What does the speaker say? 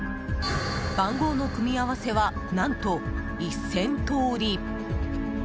番号の組み合わせは何と１０００通り。